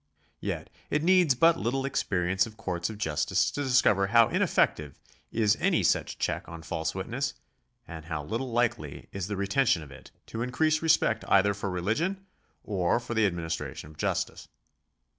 Yet it needs but little experience of courts of justice to discover how ineffective is any such check on false witness and how little likely is the retention of it to increase respect either for religion or for the administration of justice.